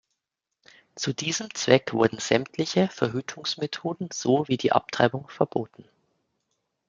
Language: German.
Zu diesem Zweck wurden sämtliche Verhütungsmethoden sowie die Abtreibung verboten.